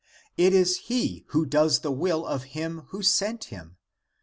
It is he who does the will of him who sent him.